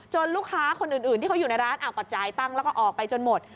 ลูกค้าคนอื่นที่เขาอยู่ในร้านก็จ่ายตังค์แล้วก็ออกไปจนหมด